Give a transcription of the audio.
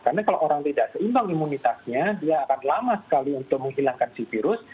karena kalau orang tidak seimbang imunitasnya dia akan lama sekali untuk menghilangkan si virus